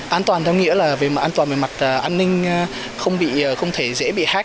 an toàn theo nghĩa là về mặt an toàn về mặt an ninh không thể dễ bị hách